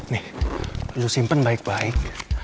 nih lo simpen baik baik